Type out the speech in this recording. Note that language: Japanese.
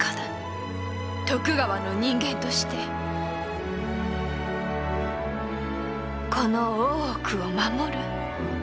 徳川の人間としてこの大奥を守る。